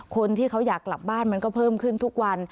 คนที่เขาอยากกลับบ้านมันก็เพิ่มขึ้นทุกวัน